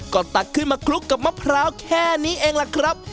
ก็ตักขึ้นมาคลุกกับมะพร้าวแค่นี้เองล่ะครับ